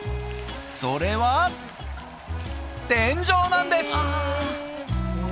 それは天井なんです！